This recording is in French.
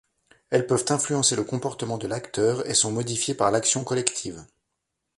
Elles peuvent influencer le comportement de l’acteur et sont modifiées par l’action collective.